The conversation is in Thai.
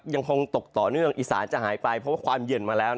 ยังคงตกต่อเนื่องอีสานจะหายไปเพราะว่าความเย็นมาแล้ว